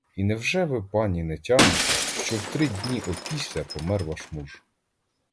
І невже ви, пані, не тямите, що в три дні опісля помер ваш муж?